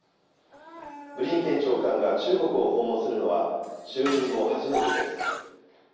ブリンケン長官が中国を訪問するのは、就任後初めてです。